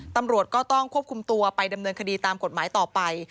ตำรวจก็ต้องควบคุมตัวไปดำเนินคดีตามกฎหมายต่อไป